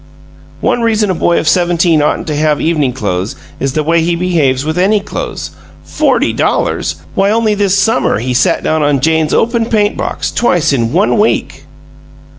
One reason a boy of seventeen oughtn't to have evening clothes is the way he behaves with ANY clothes. Forty dollars! Why, only this summer he sat down on Jane's open paint box, twice in one week!"